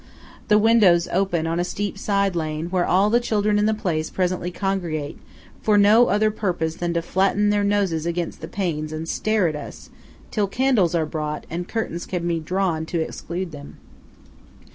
The windows open on a steep side lane were all the children in the place presently congregate, for no other purpose than to flatten their noses against the panes and stare at us, till candles are brought, and curtains can be drawn to exclude them.